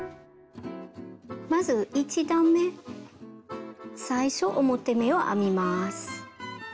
まず１段め最初表目を編みます。